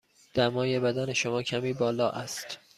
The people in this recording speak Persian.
دمای بدن شما کمی بالا است.